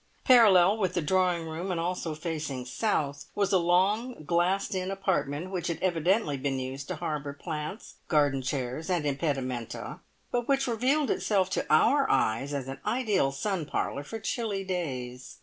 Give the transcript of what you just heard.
Parallel with the drawing room, and also facing south, was a long glassed in apartment which had evidently been used to harbour plants, garden chairs, and impedimenta, but which revealed itself to our eyes as an ideal sun parlour for chilly days.